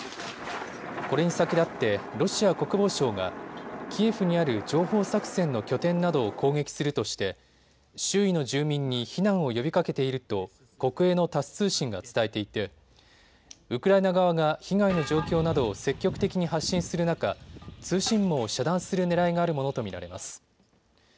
これに先立ってロシア国防省がキエフにある情報作戦の拠点などを攻撃するとして周囲の住民に避難を呼びかけていると国営のタス通信が伝えていてウクライナ側が被害の状況などを積極的に発信する中、通信網を遮断するねらいがあるものと見られます。